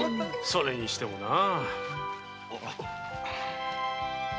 それにしてもな。